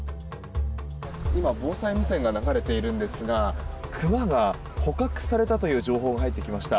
今、防災無線が流れているんですがクマが捕獲されたという情報が入ってきました。